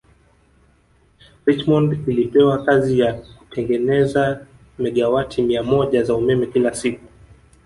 Richmond ilipewa kazi ya kutengeneza megawati mia moja za umeme kila siku